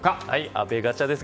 阿部ガチャです。